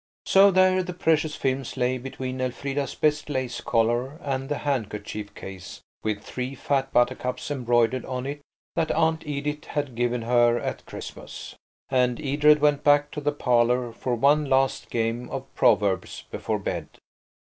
So there the precious films lay between Elfrida's best lace collar and the handkerchief case with three fat buttercups embroidered on it that Aunt Edith had given her at Christmas. And Edred went back to the parlour for one last game of Proverbs before bed.